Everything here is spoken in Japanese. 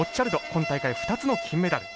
今大会２つの金メダル。